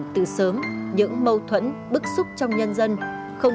từ các tổ đảng